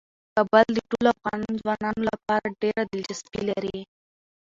کابل د ټولو افغان ځوانانو لپاره ډیره دلچسپي لري.